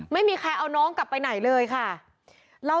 ไม่มีใครเอาน้องกลับไปไหนเลยค่ะ